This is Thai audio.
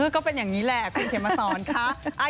ก็เป็นอย่างนี้แหละคุณเขียนมาสอนค่ะ